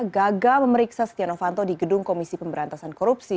gagal memeriksa setia novanto di gedung komisi pemberantasan korupsi